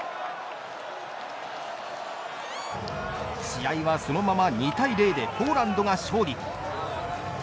試合は、そのまま２対０でポーランドが勝利。